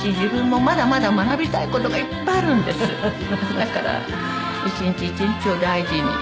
だから一日一日を大事に。